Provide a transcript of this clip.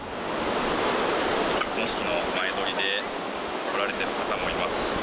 結婚式の前撮りで来られている方もいます。